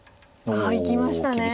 ああいきましたね。